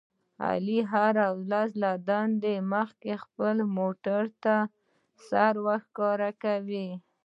علي هره ورځ له دندې مخکې خپلې مورته سر ورښکاره کوي.